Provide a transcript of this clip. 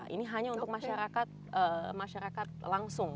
ini hanya untuk masyarakat langsung